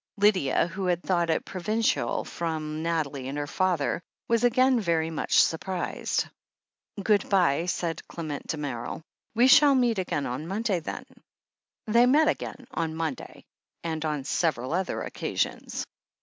Lydia, who had thought it pro vincial from Nathalie and her father, was again very much surprised, "Good bye," said Clement Damerel, "we shall meet again on Monday, then." They met again on Monday, and on several other occasions.